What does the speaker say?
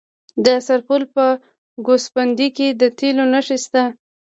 د سرپل په ګوسفندي کې د تیلو نښې شته.